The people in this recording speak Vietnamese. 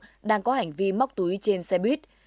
đối tượng đang có hành vi móc túi trên xe buýt